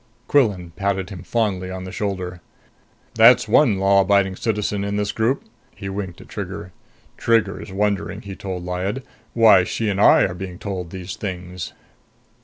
Quillan patted him fondly on the shoulder. "That's one law abiding citizen in this group!" He winked at Trigger. "Trigger's wondering," he told Lyad, "why she and I are being told these things."